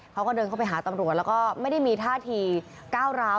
เขาก็เดินเข้าไปหาตำรวจแล้วก็ไม่ได้มีท่าทีก้าวร้าว